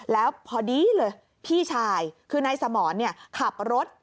แล้วพอดีเลยพี่ชายคือนายสมรขับรถ